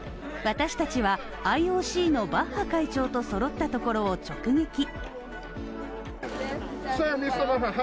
私たちはＩＯＣのバッハ会長とそろったところを直撃。